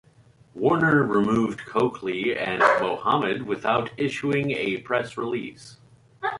Warner removed Cokely and Muhammad without issuing a press release.